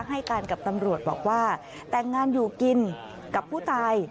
ให้การกับตำรวจบอกว่าแต่งงานอยู่กินกับผู้ตาย